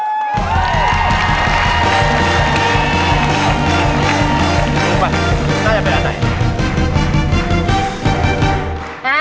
นี่คือป่ะน่าจะเป็นอะไร